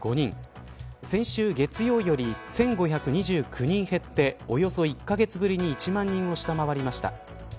先週月曜より１５２９人減っておよそ１カ月ぶりに１万人を下回りました。